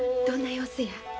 どんな様子や？